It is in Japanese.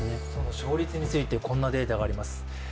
勝率についてこんなデータがあります。